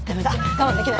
我慢できない。